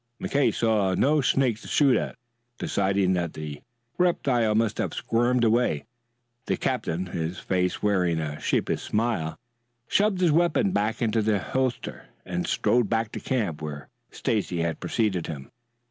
McKay saw no snake to shoot at. Deciding that the reptile must have squirmed away, the captain, his face wearing a sheepish smile, shoved his weapons back into their holsters and strode back to the camp, where Stacy had preceded him.